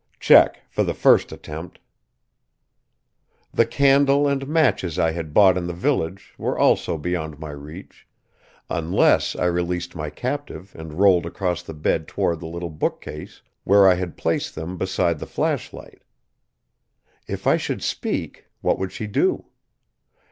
Check, for the first attempt! The candle and matches I had bought in the village were also beyond my reach, unless I released my captive and rolled across the bed toward the little bookcase where I had placed them beside the flashlight. If I should speak, what would she do?